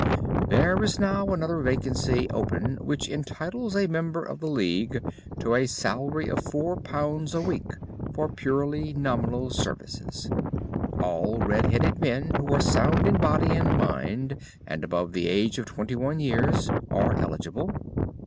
there is now another vacancy open which entitles a member of the League to a salary of £ 4 a week for purely nominal services. All red headed men who are sound in body and mind and above the age of twenty one years, are eligible.